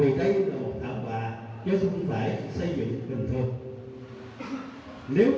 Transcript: vì đây là một thảm hòa chứ không phải xây dựng bình thường